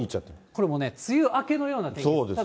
これはもう、梅雨明けのような天気です。